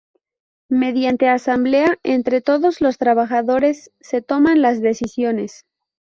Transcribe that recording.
Mediante asamblea, entre todos los trabajadores, se toman las decisiones.